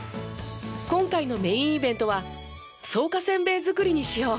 今回のメインイベントは草加せんべい作りにしよう。